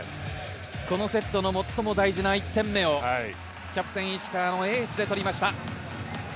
このセットの最も大事な１点目をキャプテン石川のエースで取りました。